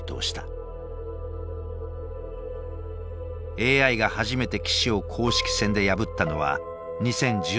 ＡＩが初めて棋士を公式戦で破ったのは２０１３年。